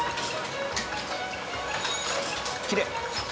きれい！